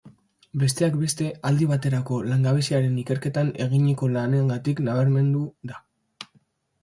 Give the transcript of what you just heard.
Besteak beste, aldi baterako langabeziaren ikerketan eginiko lanengatik nabarmendu da.